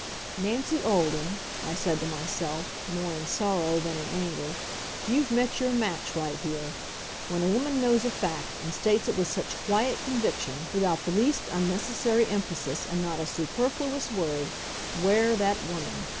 "Nancy Olden," I said to myself, more in sorrow than in anger, "you've met your match right here. When a woman knows a fact and states it with such quiet conviction, without the least unnecessary emphasis and not a superfluous word, 'ware that woman.